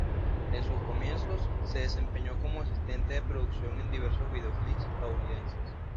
En sus comienzos, se desempeñó como asistente de producción en diversos video clips estadounidenses.